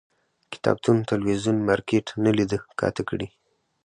کتابتون، تلویزون، مارکيټ نه لیده کاته کړي